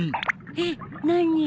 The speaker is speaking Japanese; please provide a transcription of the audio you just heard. えっ何？